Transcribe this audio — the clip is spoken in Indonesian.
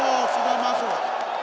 oh sudah masuk